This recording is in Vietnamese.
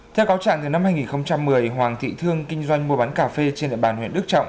theo cáo trạng từ năm hai nghìn một mươi hoàng thị thương kinh doanh mua bán cà phê trên địa bàn huyện đức trọng